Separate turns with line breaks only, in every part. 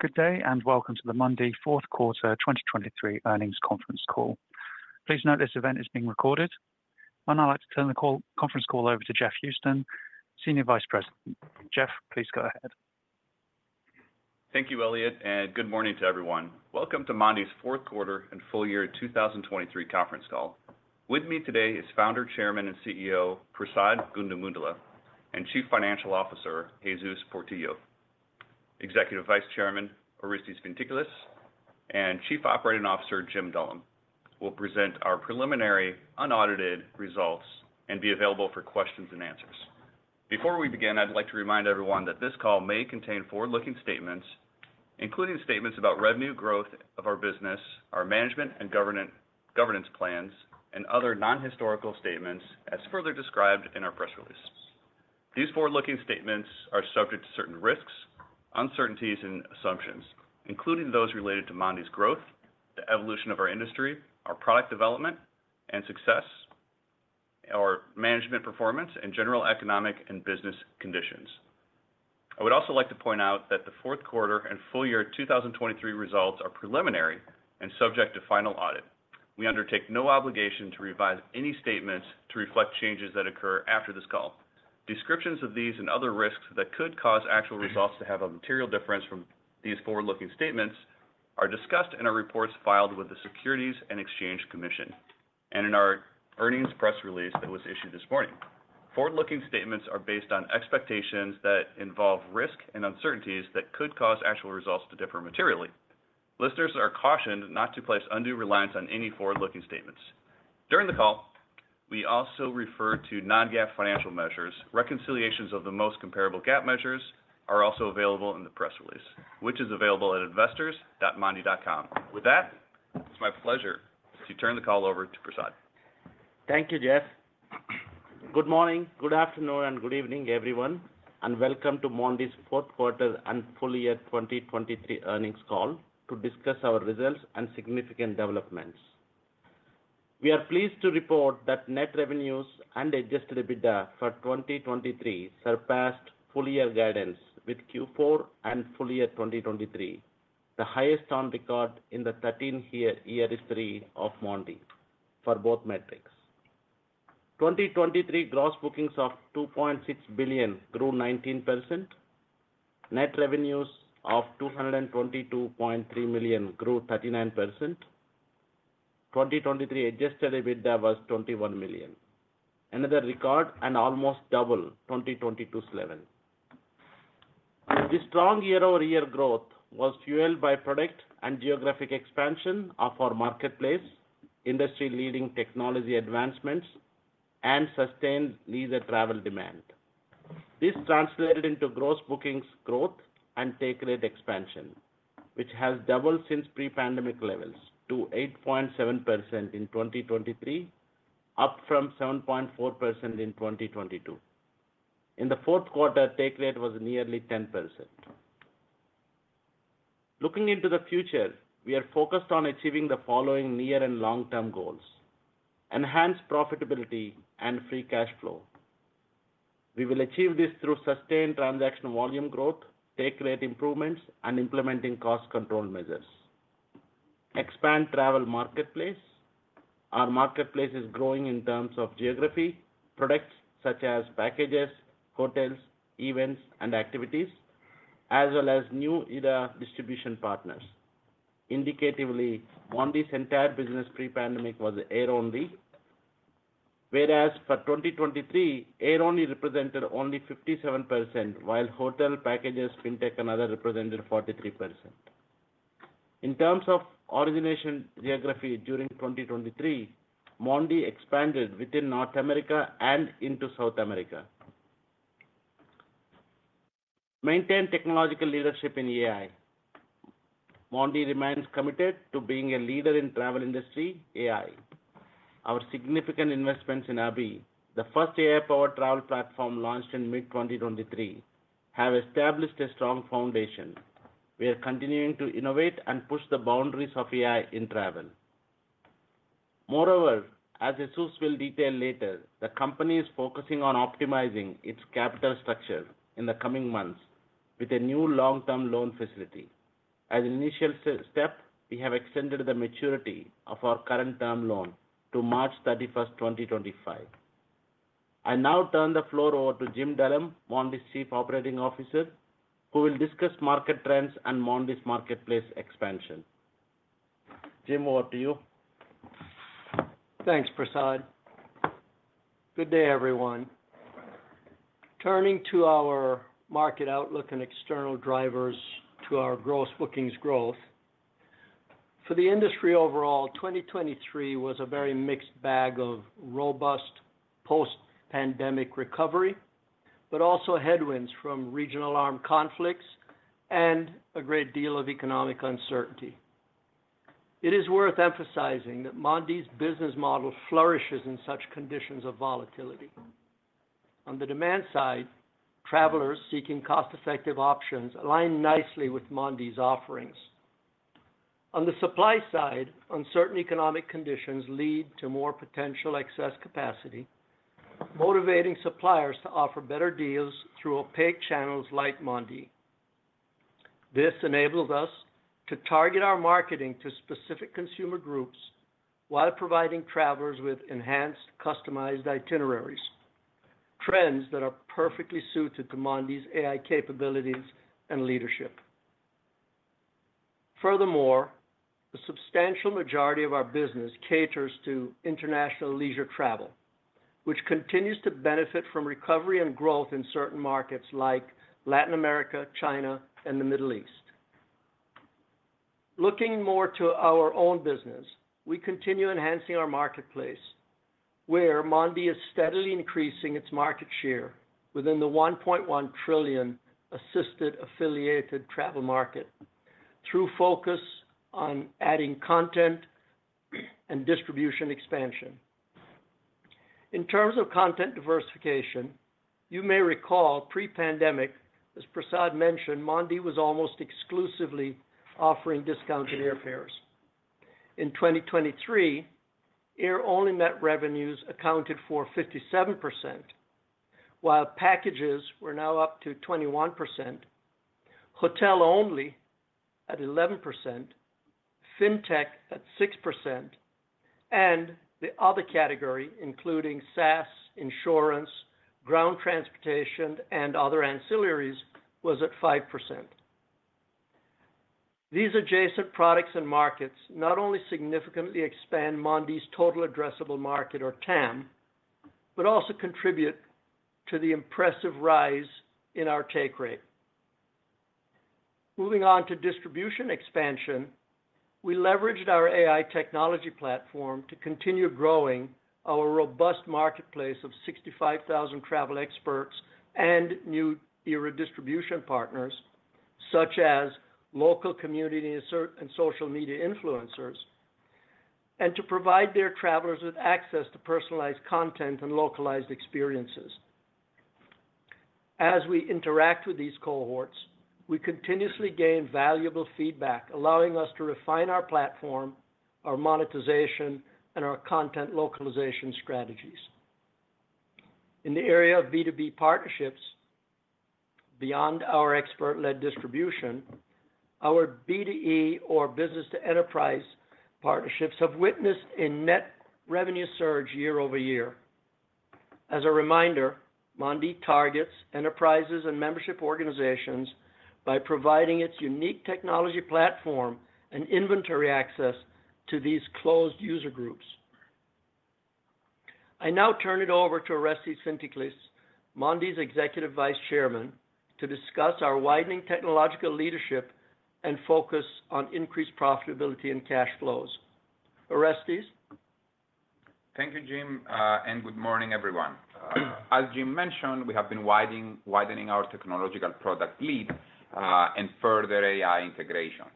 Good day and welcome to the Mondee Fourth Quarter 2023 earnings conference call. Please note this event is being recorded. I'd like to turn the conference call over to Jeff Houston, Senior Vice President. Jeff, please go ahead.
Thank you, Elliot, and good morning to everyone. Welcome to Mondee's fourth quarter and full year 2023 conference call. With me today is Founder Chairman and CEO Prasad Gundumogula; and Chief Financial Officer Jesus Portillo; Executive Vice Chairman Orestes Fintiklis; and Chief Operating Officer Jim Dullum. We'll present our preliminary unaudited results and be available for questions and answers. Before we begin, I'd like to remind everyone that this call may contain forward-looking statements, including statements about revenue growth of our business, our management and governance plans, and other non-historical statements as further described in our press release. These forward-looking statements are subject to certain risks, uncertainties, and assumptions, including those related to Mondee's growth, the evolution of our industry, our product development and success, our management performance, and general economic and business conditions. I would also like to point out that the fourth quarter and full year 2023 results are preliminary and subject to final audit. We undertake no obligation to revise any statements to reflect changes that occur after this call. Descriptions of these and other risks that could cause actual results to have a material difference from these forward-looking statements are discussed in our reports filed with the Securities and Exchange Commission and in our earnings press release that was issued this morning. Forward-looking statements are based on expectations that involve risk and uncertainties that could cause actual results to differ materially. Listeners are cautioned not to place undue reliance on any forward-looking statements. During the call, we also refer to non-GAAP financial measures. Reconciliations of the most comparable GAAP measures are also available in the press release, which is available at investors.mondee.com. With that, it's my pleasure to turn the call over to Prasad.
Thank you, Jeff. Good morning, good afternoon, and good evening, everyone, and welcome to Mondee's fourth quarter and full year 2023 earnings call to discuss our results and significant developments. We are pleased to report that net revenues and Adjusted EBITDA for 2023 surpassed full year guidance with Q4 and full year 2023, the highest on record in the 13-year history of Mondee for both metrics. 2023 gross bookings of $2.6 billion grew 19%. Net revenues of $222.3 million grew 39%. 2023 Adjusted EBITDA was $21 million, another record and almost double 2022's level. This strong year-over-year growth was fueled by product and geographic expansion of our marketplace, industry-leading technology advancements, and sustained leisure travel demand. This translated into gross bookings growth and take rate expansion, which has doubled since pre-pandemic levels to 8.7% in 2023, up from 7.4% in 2022. In the fourth quarter, take rate was nearly 10%. Looking into the future, we are focused on achieving the following near and long-term goals: enhanced profitability and free cash flow. We will achieve this through sustained transaction volume growth, take rate improvements, and implementing cost-control measures. Expand travel marketplace. Our marketplace is growing in terms of geography, products such as packages, hotels, events, and activities, as well as New Era distribution partners. Indicatively, Mondee's entire business pre-pandemic was air-only, whereas for 2023, air-only represented only 57%, while hotel, packages, fintech, and other represented 43%. In terms of origination geography during 2023, Mondee expanded within North America and into South America. Maintain technological leadership in AI. Mondee remains committed to being a leader in travel industry AI. Our significant investments in Abhi, the first AI-powered travel platform launched in mid-2023, have established a strong foundation. We are continuing to innovate and push the boundaries of AI in travel. Moreover, as Jesus will detail later, the company is focusing on optimizing its capital structure in the coming months with a new long-term loan facility. As an initial step, we have extended the maturity of our current term loan to March 31st, 2025. I now turn the floor over to Jim Dullum, Mondee's Chief Operating Officer, who will discuss market trends and Mondee's marketplace expansion. Jim, over to you.
Thanks, Prasad. Good day, everyone. Turning to our market outlook and external drivers to our gross bookings growth. For the industry overall, 2023 was a very mixed bag of robust post-pandemic recovery, but also headwinds from regional armed conflicts and a great deal of economic uncertainty. It is worth emphasizing that Mondee's business model flourishes in such conditions of volatility. On the demand side, travelers seeking cost-effective options align nicely with Mondee's offerings. On the supply side, uncertain economic conditions lead to more potential excess capacity, motivating suppliers to offer better deals through opaque channels like Mondee. This enables us to target our marketing to specific consumer groups while providing travelers with enhanced, customized itineraries, trends that are perfectly suited to Mondee's AI capabilities and leadership. Furthermore, the substantial majority of our business caters to international leisure travel, which continues to benefit from recovery and growth in certain markets like Latin America, China, and the Middle East. Looking more to our own business, we continue enhancing our marketplace, where Mondee is steadily increasing its market share within the $1.1 trillion assisted affiliated travel market through focus on adding content and distribution expansion. In terms of content diversification, you may recall pre-pandemic, as Prasad mentioned, Mondee was almost exclusively offering discounted airfares. In 2023, air-only net revenues accounted for 57%, while packages were now up to 21%, hotel-only at 11%, Fintech at 6%, and the other category, including SaaS, insurance, ground transportation, and other ancillaries, was at 5%. These adjacent products and markets not only significantly expand Mondee's total addressable market, or TAM, but also contribute to the impressive rise in our take rate. Moving on to distribution expansion, we leveraged our AI technology platform to continue growing our robust marketplace of 65,000 travel experts and New Era distribution partners, such as local community and social media influencers, and to provide their travelers with access to personalized content and localized experiences. As we interact with these cohorts, we continuously gain valuable feedback, allowing us to refine our platform, our monetization, and our content localization strategies. In the area of B2B partnerships, beyond our expert-led distribution, our B2E, or business-to-enterprise, partnerships have witnessed a net revenue surge year-over-year. As a reminder, Mondee targets enterprises and membership organizations by providing its unique technology platform and inventory access to these closed user groups. I now turn it over to Orestes Fintiklis, Mondee's Executive Vice Chairman, to discuss our widening technological leadership and focus on increased profitability and cash flows. Orestes?
Thank you, Jim, and good morning, everyone. As Jim mentioned, we have been widening our technological product lead and further AI integration.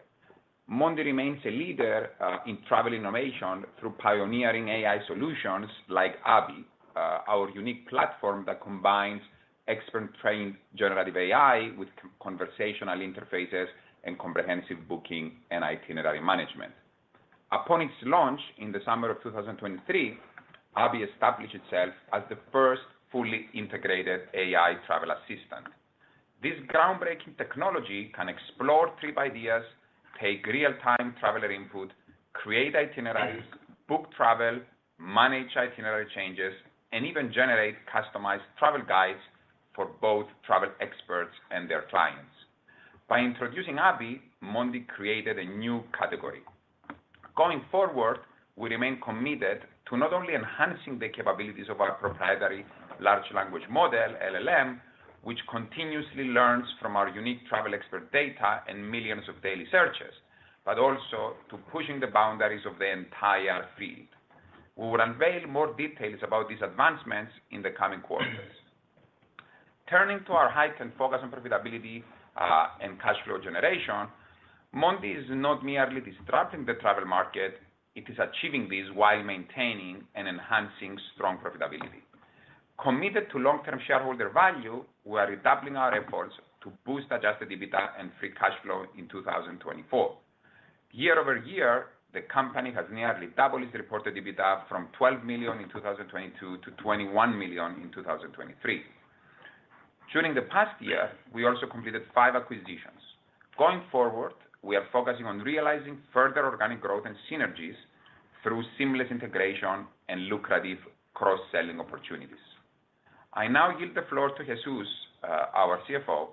Mondee remains a leader in travel innovation through pioneering AI solutions like Abhi, our unique platform that combines expert-trained generative AI with conversational interfaces and comprehensive booking and itinerary management. Upon its launch in the summer of 2023, Abhi established itself as the first fully integrated AI travel assistant. This groundbreaking technology can explore trip ideas, take real-time traveler input, create itineraries, book travel, manage itinerary changes, and even generate customized travel guides for both travel experts and their clients. By introducing Abhi, Mondee created a new category. Going forward, we remain committed to not only enhancing the capabilities of our proprietary large language model, LLM, which continuously learns from our unique travel expert data and millions of daily searches, but also to pushing the boundaries of the entire field. We will unveil more details about these advancements in the coming quarters. Turning to our heightened focus on profitability and cash flow generation, Mondee is not merely disrupting the travel market. It is achieving this while maintaining and enhancing strong profitability. Committed to long-term shareholder value, we are redoubling our efforts to boost Adjusted EBITDA and Free Cash Flow in 2024. Year-over-year, the company has nearly doubled its reported EBITDA from $12 million in 2022 to $21 million in 2023. During the past year, we also completed five acquisitions. Going forward, we are focusing on realizing further organic growth and synergies through seamless integration and lucrative cross-selling opportunities. I now yield the floor to Jesus, our CFO,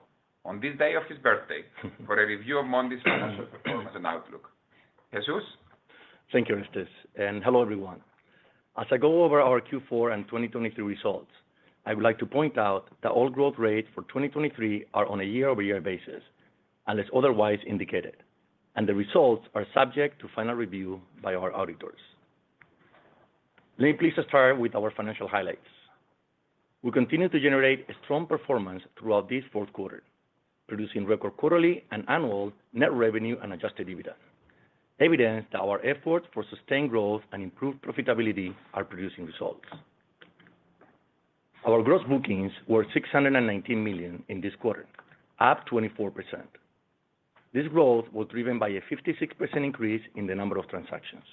on this day of his birthday for a review of Mondee's financial performance and outlook. Jesus?
Thank you, Orestes. And hello, everyone. As I go over our Q4 and 2023 results, I would like to point out that all growth rates for 2023 are on a year-over-year basis, unless otherwise indicated, and the results are subject to final review by our auditors. Let me please start with our financial highlights. We continue to generate strong performance throughout this fourth quarter, producing record quarterly and annual net revenue and Adjusted EBITDA, evidence that our efforts for sustained growth and improved profitability are producing results. Our gross bookings were $619 million in this quarter, up 24%. This growth was driven by a 56% increase in the number of transactions.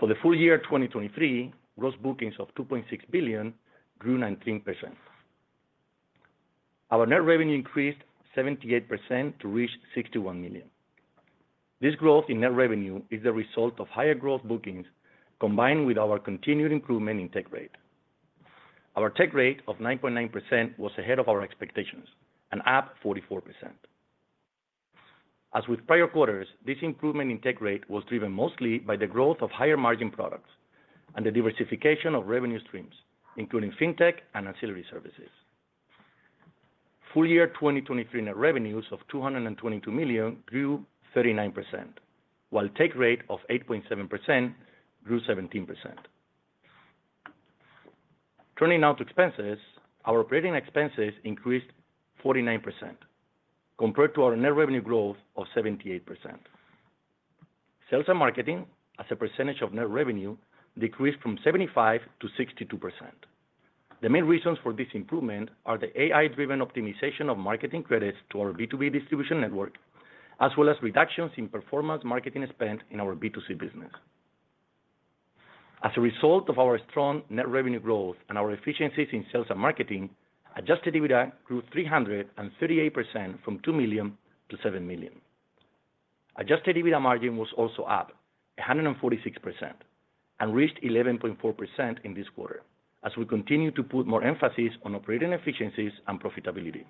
For the full year 2023, gross bookings of $2.6 billion grew 19%. Our net revenue increased 78% to reach $61 million. This growth in net revenue is the result of higher gross bookings combined with our continued improvement in take rate. Our take rate of 9.9% was ahead of our expectations and up 44%. As with prior quarters, this improvement in take rate was driven mostly by the growth of higher margin products and the diversification of revenue streams, including Fintech and ancillary services. Full year 2023 net revenues of $222 million grew 39%, while take rate of 8.7% grew 17%. Turning now to expenses, our operating expenses increased 49% compared to our net revenue growth of 78%. Sales and marketing, as a percentage of net revenue, decreased from 75%-62%. The main reasons for this improvement are the AI-driven optimization of marketing credits to our B2B distribution network, as well as reductions in performance marketing spend in our B2C business. As a result of our strong net revenue growth and our efficiencies in sales and marketing, Adjusted EBITDA grew 338% from $2 million-$7 million. Adjusted EBITDA margin was also up 146% and reached 11.4% in this quarter, as we continue to put more emphasis on operating efficiencies and profitability.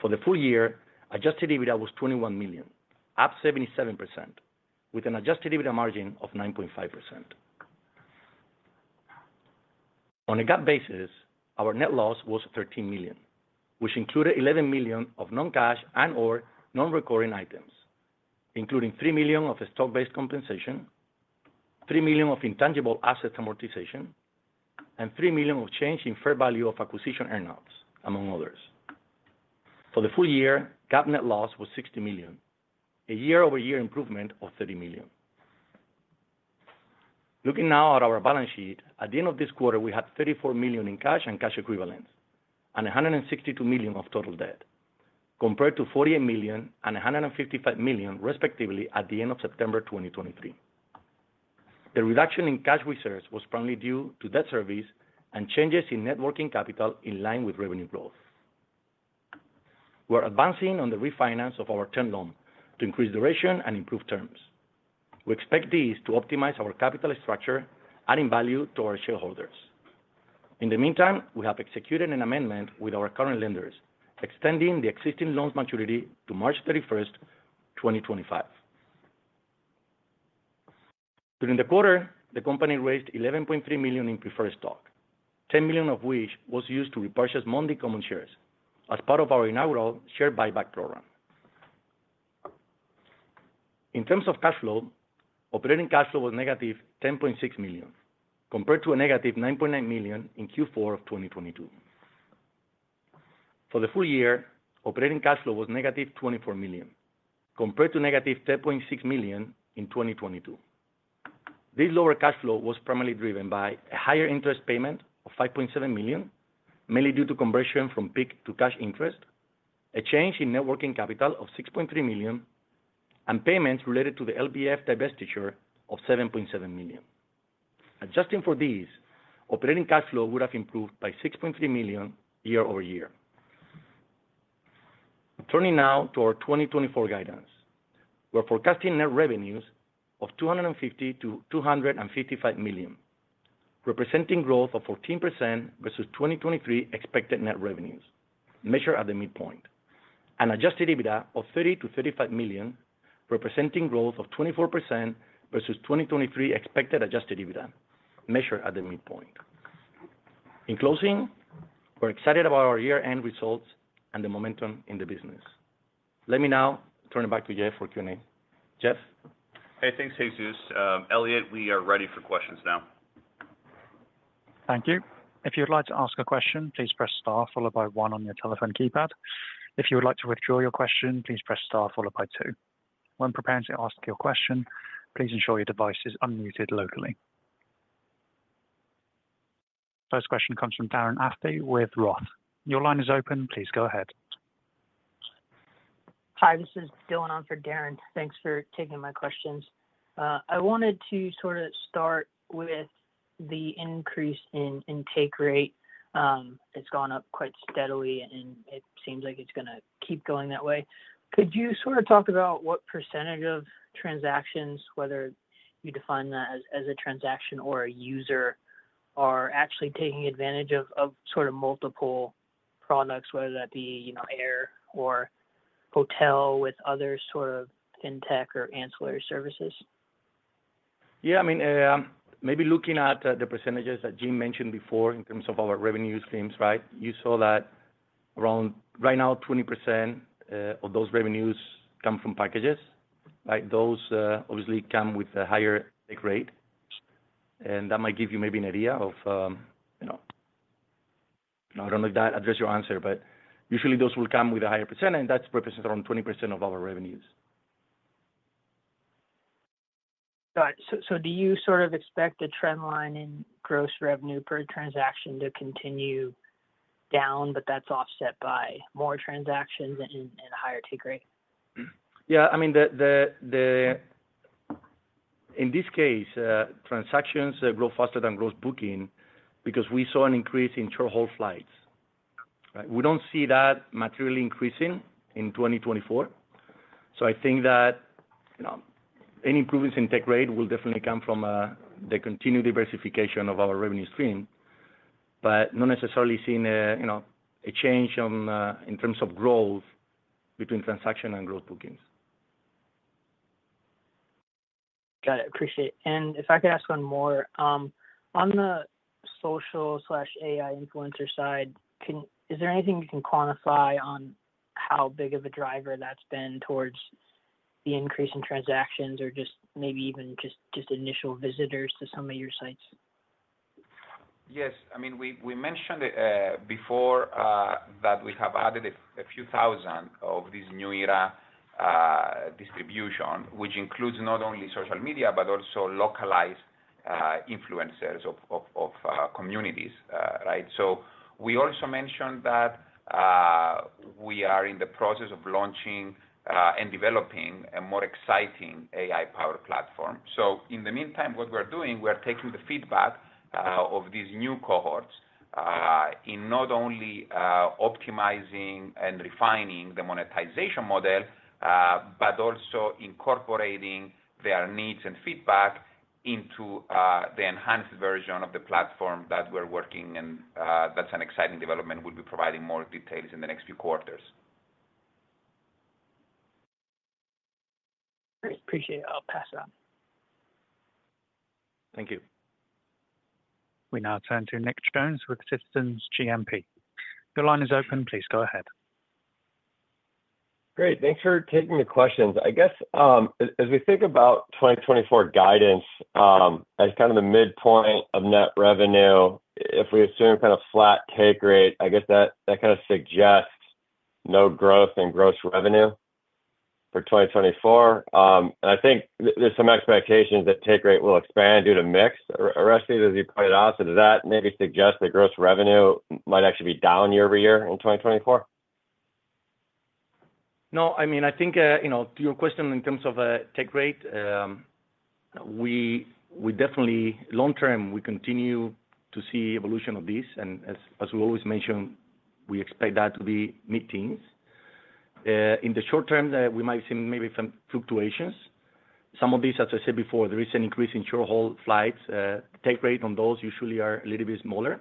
For the full year, Adjusted EBITDA was $21 million, up 77%, with an Adjusted EBITDA margin of 9.5%. On a GAAP basis, our net loss was $13 million, which included $11 million of non-cash and/or non-recurring items, including $3 million of stock-based compensation, $3 million of intangible assets amortization, and $3 million of change in fair value of acquisition earnouts, among others. For the full year, GAAP net loss was $60 million, a year-over-year improvement of $30 million. Looking now at our balance sheet, at the end of this quarter, we had $34 million in cash and cash equivalents and $162 million of total debt, compared to $48 million and $155 million, respectively, at the end of September 2023. The reduction in cash reserves was primarily due to debt service and changes in working capital in line with revenue growth. We are advancing on the refinance of our term loan to increase duration and improve terms. We expect these to optimize our capital structure, adding value to our shareholders. In the meantime, we have executed an amendment with our current lenders, extending the existing loan's maturity to March 31st, 2025. During the quarter, the company raised $11.3 million in preferred stock, $10 million of which was used to repurchase Mondee common shares as part of our inaugural share buyback program. In terms of cash flow, operating cash flow was negative $10.6 million, compared to a negative $9.9 million in Q4 of 2022. For the full year, operating cash flow was negative $24 million, compared to negative $10.6 million in 2022. This lower cash flow was primarily driven by a higher interest payment of $5.7 million, mainly due to conversion from PIK to cash interest, a change in working capital of $6.3 million, and payments related to the LBF divestiture of $7.7 million. Adjusting for these, operating cash flow would have improved by $6.3 million year-over-year. Turning now to our 2024 guidance, we are forecasting net revenues of $250 million-$255 million, representing growth of 14% versus 2023 expected net revenues, measured at the midpoint, and Adjusted EBITDA of $30 million-$35 million, representing growth of 24% versus 2023 expected Adjusted EBITDA, measured at the midpoint. In closing, we're excited about our year-end results and the momentum in the business. Let me now turn it back to Jeff for Q&A. Jeff?
Hey. Thanks, Jesus. Elliot, we are ready for questions now.
Thank you. If you would like to ask a question, please press "star" followed by "one" on your telephone keypad. If you would like to withdraw your question, please press "star" followed by "two". When preparing to ask your question, please ensure your device is unmuted locally. First question comes from Darren Aftahi with Roth. Your line is open. Please go ahead.
Hi. This is Dillon on for Darren. Thanks for taking my questions. I wanted to sort of start with the increase in take rate. It's gone up quite steadily, and it seems like it's going to keep going that way. Could you sort of talk about what percentage of transactions, whether you define that as a transaction or a user, are actually taking advantage of sort of multiple products, whether that be air or hotel with other sort of fintech or ancillary services?
Yeah. I mean, maybe looking at the percentages that Jim mentioned before in terms of our revenue streams, right, you saw that right now, 20% of those revenues come from packages. Those, obviously, come with a higher take rate. And that might give you maybe an idea of I don't know if that addresses your answer, but usually, those will come with a higher percentage, and that represents around 20% of our revenues.
Got it. So do you sort of expect the trendline in gross revenue per transaction to continue down, but that's offset by more transactions and a higher take rate?
Yeah. I mean, in this case, transactions grow faster than gross booking because we saw an increase in short-haul flights. We don't see that materially increasing in 2024. So I think that any improvements in take rate will definitely come from the continued diversification of our revenue stream, but not necessarily seeing a change in terms of growth between transaction and gross bookings.
Got it. Appreciate it. If I could ask one more, on the social/AI influencer side, is there anything you can quantify on how big of a driver that's been towards the increase in transactions or just maybe even just initial visitors to some of your sites?
Yes. I mean, we mentioned before that we have added a few thousand of this New Era Distribution, which includes not only social media but also localized influencers of communities, right? We also mentioned that we are in the process of launching and developing a more exciting AI-powered platform. In the meantime, what we're doing, we are taking the feedback of these new cohorts in not only optimizing and refining the monetization model but also incorporating their needs and feedback into the enhanced version of the platform that we're working on. That's an exciting development. We'll be providing more details in the next few quarters.
Great. Appreciate it. I'll pass it on.
Thank you.
We now turn to Nick Jones with JMP Securities. Your line is open. Please go ahead.
Great. Thanks for taking the questions. I guess as we think about 2024 guidance, at kind of the midpoint of net revenue, if we assume kind of flat take rate, I guess that kind of suggests no growth in gross revenue for 2024. I think there's some expectations that take rate will expand due to mix. Orestes, as you pointed out, does that maybe suggest that gross revenue might actually be down year-over-year in 2024?
No. I mean, I think to your question in terms of Take Rate, long term, we continue to see evolution of this. As we always mentioned, we expect that to be mid-teens. In the short term, we might see maybe some fluctuations. Some of these, as I said before, there is an increase in short-haul flights. Take Rate on those usually are a little bit smaller.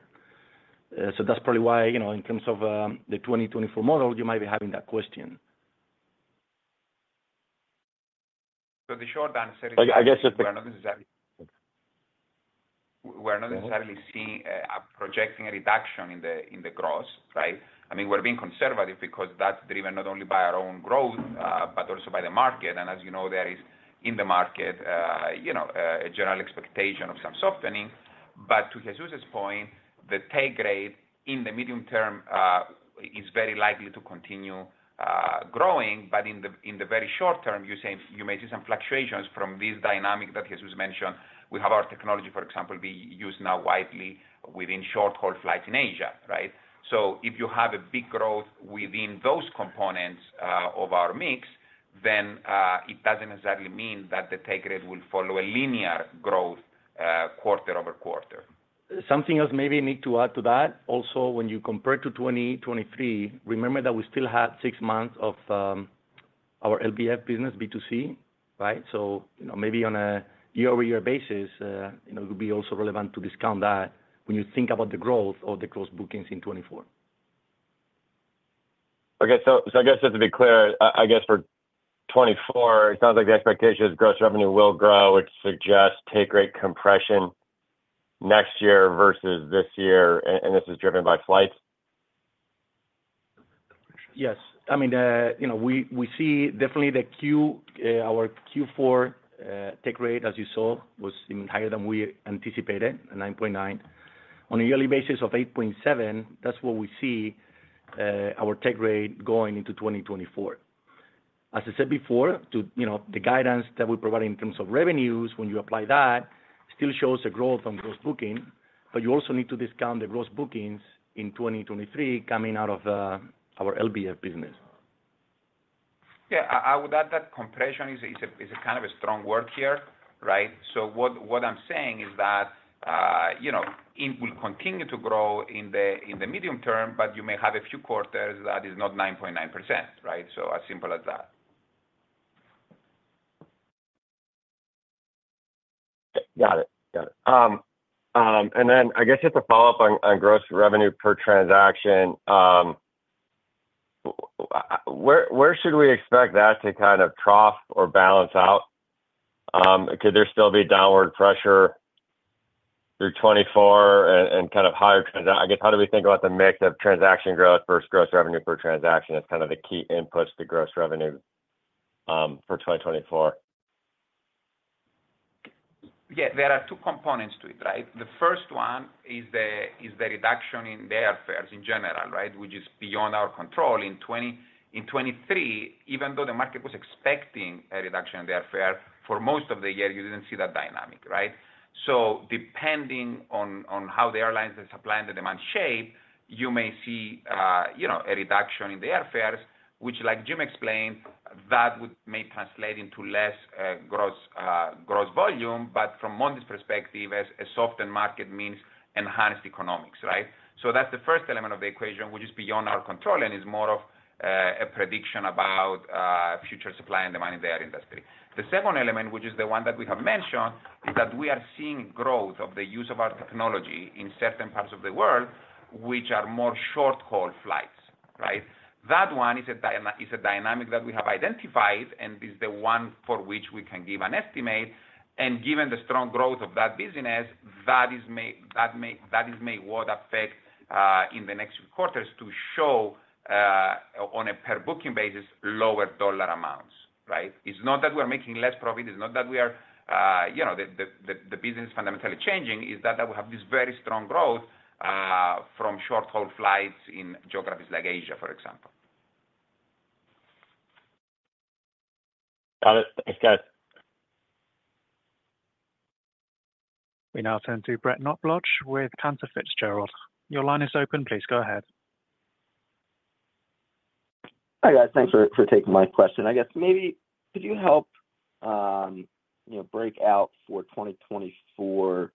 So that's probably why, in terms of the 2024 model, you might be having that question.
So the short answer is that we're not necessarily seeing or projecting a reduction in the gross, right? I mean, we're being conservative because that's driven not only by our own growth but also by the market. And as you know, there is, in the market, a general expectation of some softening. But to Jesus's point, the take rate in the medium term is very likely to continue growing. But in the very short term, you may see some fluctuations from this dynamic that Jesus mentioned. We have our technology, for example, being used now widely within short-haul flights in Asia, right? So if you have a big growth within those components of our mix, then it doesn't necessarily mean that the take rate will follow a linear growth quarter-over-quarter.
Something else maybe I need to add to that. Also, when you compare to 2023, remember that we still had six months of our LBF business, B2C, right? Maybe on a year-over-year basis, it would be also relevant to discount that when you think about the growth of the gross bookings in 2024.
Okay. So I guess just to be clear, I guess for 2024, it sounds like the expectation is gross revenue will grow, which suggests take rate compression next year versus this year. And this is driven by flights?
Yes. I mean, we see definitely our Q4 take rate, as you saw, was even higher than we anticipated, a 9.9%. On a yearly basis of 8.7%, that's what we see, our take rate going into 2024. As I said before, the guidance that we provide in terms of revenues, when you apply that, still shows a growth on gross booking. But you also need to discount the gross bookings in 2023 coming out of our LBF business.
Yeah. I would add that compression is kind of a strong word here, right? So what I'm saying is that it will continue to grow in the medium term, but you may have a few quarters that is not 9.9%, right? So as simple as that.
Got it. Got it. And then I guess just to follow up on gross revenue per transaction, where should we expect that to kind of trough or balance out? Could there still be downward pressure through 2024 and kind of higher I guess, how do we think about the mix of transaction growth versus gross revenue per transaction as kind of the key inputs to gross revenue for 2024?
Yeah. There are two components to it, right? The first one is the reduction in the airfares in general, right, which is beyond our control. In 2023, even though the market was expecting a reduction in the airfare, for most of the year, you didn't see that dynamic, right? So depending on how the airlines supply and the demand shape, you may see a reduction in the airfares, which, like Jim explained, that would may translate into less gross volume. But from Mondee's perspective, a softened market means enhanced economics, right? So that's the first element of the equation, which is beyond our control and is more of a prediction about future supply and demand in the air industry. The second element, which is the one that we have mentioned, is that we are seeing growth of the use of our technology in certain parts of the world, which are more short-haul flights, right? That one is a dynamic that we have identified, and it's the one for which we can give an estimate. And given the strong growth of that business, that is maybe what affects in the next few quarters to show on a per-booking basis, lower dollar amounts, right? It's not that we're making less profit. It's not that the business is fundamentally changing. It's that we have this very strong growth from short-haul flights in geographies like Asia, for example.
Got it. Thanks, guys.
We now turn to Brett Knoblauch with Cantor Fitzgerald. Your line is open. Please go ahead.
Hi, guys. Thanks for taking my question. I guess maybe could you help break out for 2024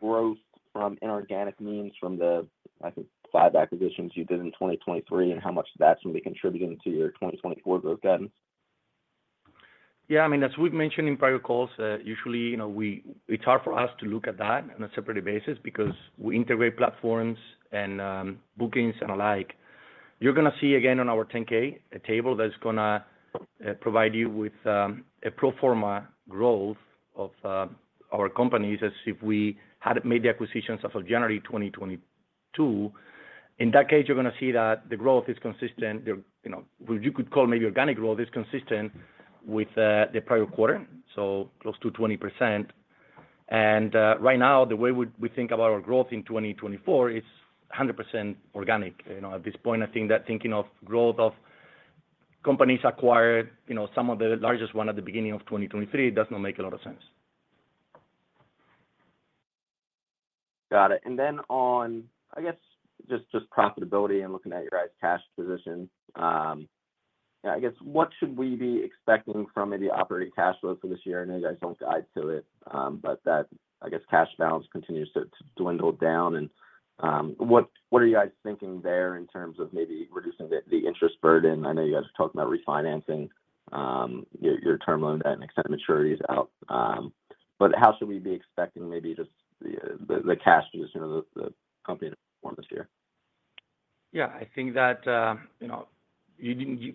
growth from inorganic means from the, I think, 5 acquisitions you did in 2023 and how much that's going to be contributing to your 2024 growth guidance?
Yeah. I mean, as we've mentioned in prior calls, usually, it's hard for us to look at that on a separate basis because we integrate platforms and bookings and alike. You're going to see, again, on our 10-K, a table that's going to provide you with a pro forma growth of our companies as if we had made the acquisitions as of January 2022. In that case, you're going to see that the growth is consistent. What you could call maybe organic growth is consistent with the prior quarter, so close to 20%. And right now, the way we think about our growth in 2024 is 100% organic. At this point, I think that thinking of growth of companies acquired some of the largest one at the beginning of 2023 does not make a lot of sense.
Got it. And then on, I guess, just profitability and looking at you guys' cash position, I guess, what should we be expecting from maybe operating cash flow for this year? I know you guys don't guide to it, but that, I guess, cash balance continues to dwindle down. And what are you guys thinking there in terms of maybe reducing the interest burden? I know you guys are talking about refinancing your term loan debt and extend maturities out. But how should we be expecting maybe just the cash position of the company to perform this year?
Yeah. I think that,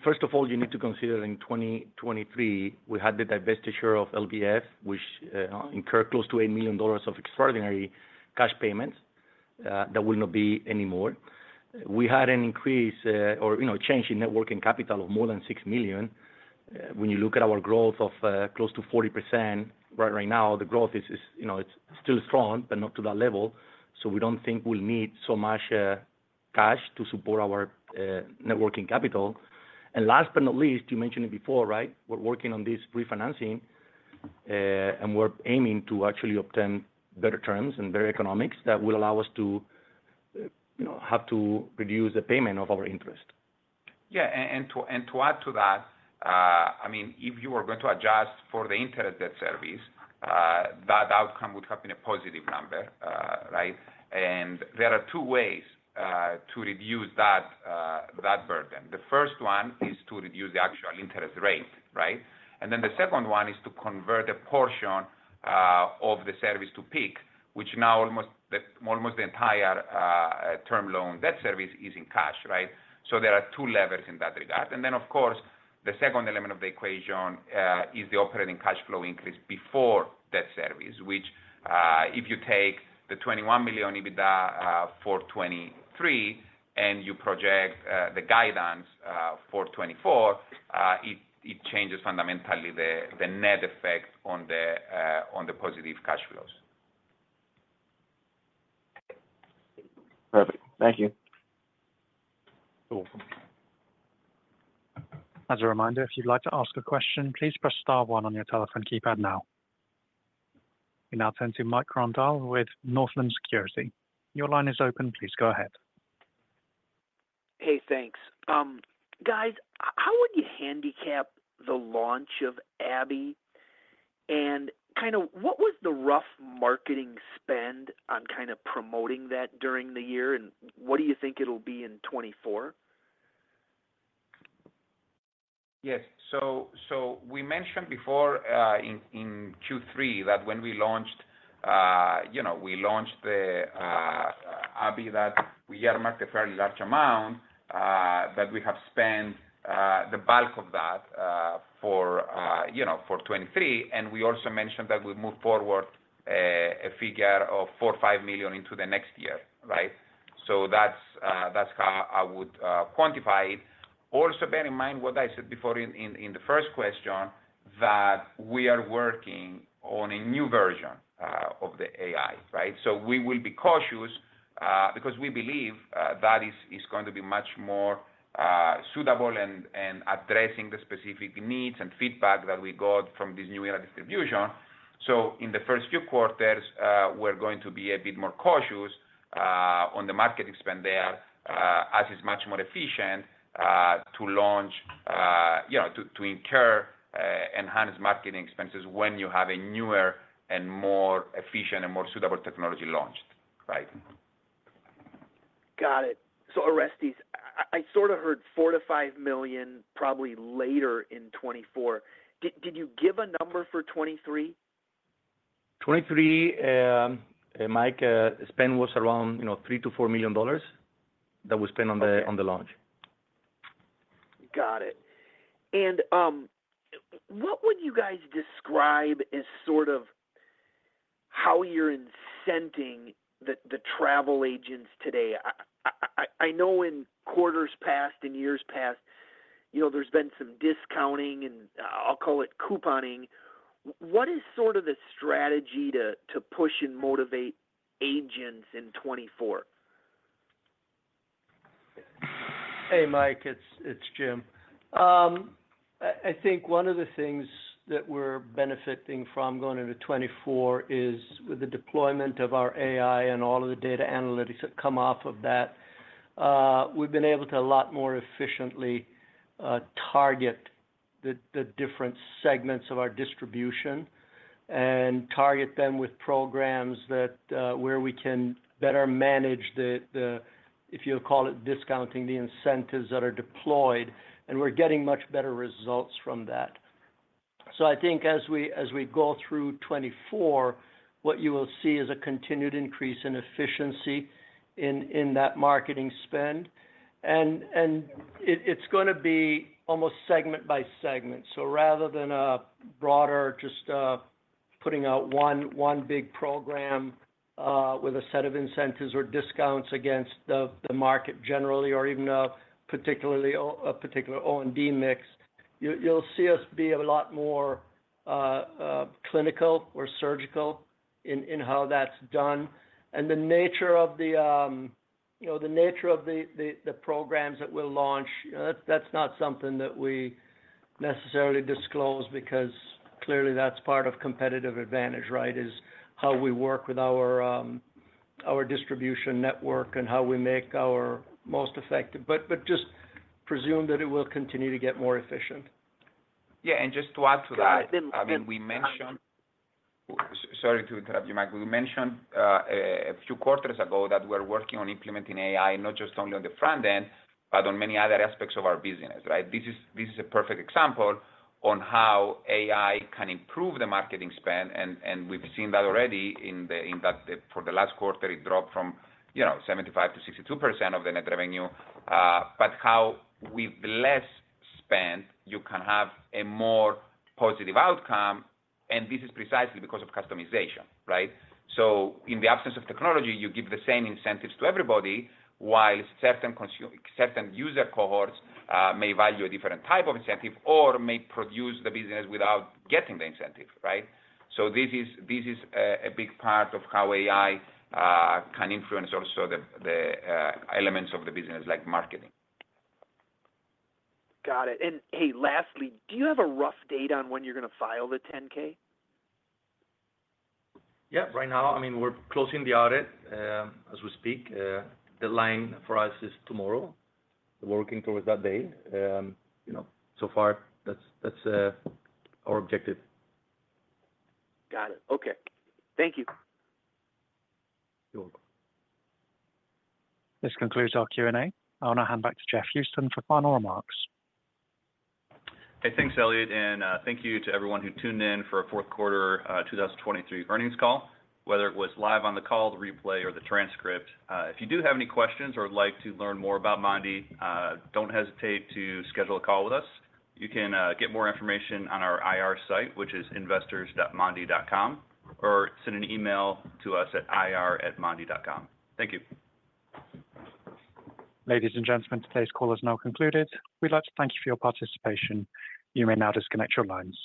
first of all, you need to consider in 2023, we had the divestiture of LBF, which incurred close to $8 million of extraordinary cash payments that will not be anymore. We had an increase or change in working capital of more than $6 million. When you look at our growth of close to 40%, right now, the growth is still strong but not to that level. So we don't think we'll need so much cash to support our working capital. And last but not least, you mentioned it before, right? We're working on this refinancing, and we're aiming to actually obtain better terms and better economics that will allow us to have to reduce the payment of our interest.
Yeah. And to add to that, I mean, if you are going to adjust for the interest debt service, that outcome would have been a positive number, right? And there are two ways to reduce that burden. The first one is to reduce the actual interest rate, right? And then the second one is to convert a portion of the service to PIK, which now almost the entire term loan debt service is in cash, right? So there are two levers in that regard. And then, of course, the second element of the equation is the operating cash flow increase before debt service, which if you take the $21 million EBITDA for 2023 and you project the guidance for 2024, it changes fundamentally the net effect on the positive cash flows.
Perfect. Thank you.
You're welcome. As a reminder, if you'd like to ask a question, please press star one on your telephone keypad now. We now turn to Mike Grondahl with Northland Securities. Your line is open. Please go ahead.
Hey. Thanks. Guys, how would you handicap the launch of Abhi? And kind of what was the rough marketing spend on kind of promoting that during the year? And what do you think it'll be in 2024?
Yes. So we mentioned before in Q3 that when we launched, we launched the Abhi that we earmarked a fairly large amount, that we have spent the bulk of that for 2023. And we also mentioned that we move forward a figure of $4 million-$5 million into the next year, right? So that's how I would quantify it. Also bear in mind what I said before in the first question, that we are working on a new version of the AI, right? So we will be cautious because we believe that is going to be much more suitable and addressing the specific needs and feedback that we got from this New Era distribution. So in the first few quarters, we're going to be a bit more cautious on the marketing spend there as it's much more efficient to launch than to incur enhanced marketing expenses when you have a newer and more efficient and more suitable technology launched, right?
Got it. So Orestes, I sort of heard $4 million-$5 million probably later in 2024. Did you give a number for 2023?
2023, Mike, spend was around $3 million-$4 million that was spent on the launch.
Got it. And what would you guys describe as sort of how you're incenting the travel agents today? I know in quarters past and years past, there's been some discounting and I'll call it couponing. What is sort of the strategy to push and motivate agents in 2024?
Hey, Mike. It's Jim. I think one of the things that we're benefiting from going into 2024 is with the deployment of our AI and all of the data analytics that come off of that, we've been able to a lot more efficiently target the different segments of our distribution and target them with programs where we can better manage the, if you'll call it discounting, the incentives that are deployed. And we're getting much better results from that. So I think as we go through 2024, what you will see is a continued increase in efficiency in that marketing spend. And it's going to be almost segment by segment. So rather than a broader just putting out one big program with a set of incentives or discounts against the market generally or even a particular O&D mix, you'll see us be a lot more clinical or surgical in how that's done. And the nature of the programs that we'll launch, that's not something that we necessarily disclose because clearly, that's part of competitive advantage, right, is how we work with our distribution network and how we make our most effective. But just presume that it will continue to get more efficient.
Yeah. And just to add to that, I mean, we mentioned—sorry to interrupt you, Mike. We mentioned a few quarters ago that we're working on implementing AI not just only on the front end but on many other aspects of our business, right? This is a perfect example on how AI can improve the marketing spend. And we've seen that already in that for the last quarter, it dropped from 75%-62% of the net revenue. But how with less spend, you can have a more positive outcome. And this is precisely because of customization, right? So in the absence of technology, you give the same incentives to everybody while certain user cohorts may value a different type of incentive or may produce the business without getting the incentive, right? So this is a big part of how AI can influence also the elements of the business like marketing.
Got it. Hey, lastly, do you have a rough date on when you're going to file the 10-K?
Yeah. Right now, I mean, we're closing the audit as we speak. Deadline for us is tomorrow. We're working towards that day. So far, that's our objective.
Got it. Okay. Thank you.
You're welcome.
This concludes our Q&A. I'll now hand back to Jeff Houston for final remarks.
Hey. Thanks, Elliot. Thank you to everyone who tuned in for a fourth quarter 2023 earnings call, whether it was live on the call, the replay, or the transcript. If you do have any questions or would like to learn more about Mondee, don't hesitate to schedule a call with us. You can get more information on our IR site, which is investors.mondee.com, or send an email to us at ir@mondee.com. Thank you.
Ladies and gentlemen, today's call is now concluded. We'd like to thank you for your participation. You may now disconnect your lines.